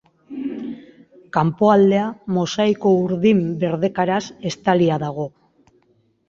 Kanpoaldea mosaiko urdin-berdekaraz estalia dago.